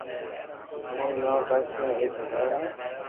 مير ئوخاس مي ايڪ بزار هي